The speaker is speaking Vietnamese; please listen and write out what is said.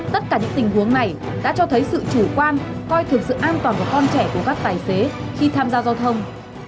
tất cả những tình huống này đã cho thấy sự chủ quan coi thường sự an toàn của con trẻ của các tài xế khi tham gia giao thông